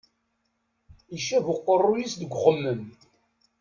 Icab uqeṛṛuy-is deg uxemmem.